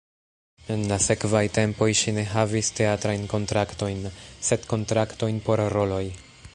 En la sekvaj tempoj ŝi ne havis teatrajn kontraktojn, sed kontraktojn por roloj.